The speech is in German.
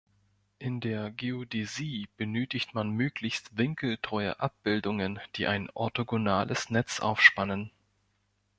In der Geodäsie benötigt man möglichst winkeltreue Abbildungen, die ein orthogonales Netz aufspannen.